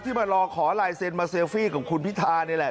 ที่มารอขอลายเซลฟี่ของคุณพิธานี่แหละ